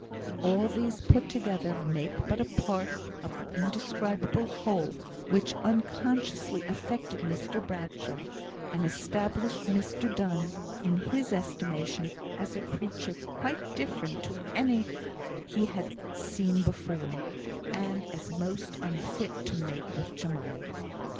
All these put together make but a part of the indescribable whole which unconsciously affected Mr Bradshaw, and established Mr Donne in his estimation as a creature quite different to any he had seen before, and as most unfit to mate with Jemima.